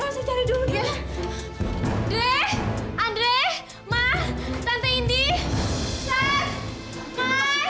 lara gak ada di kamarnya